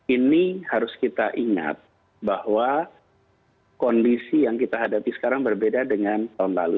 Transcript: ini harus kita ingat bahwa kondisi yang kita hadapi sekarang berbeda dengan tahun lalu